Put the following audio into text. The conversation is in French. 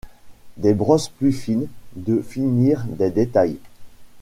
Des brosses plus fines de finir des détails.